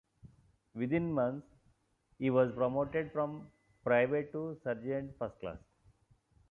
Within months, he was promoted from private to sergeant first class.